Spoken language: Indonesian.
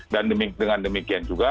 dan dengan demikian juga